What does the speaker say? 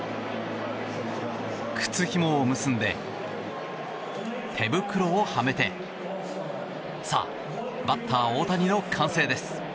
靴ひもを結んで、手袋をはめてさあ、バッター大谷の完成です。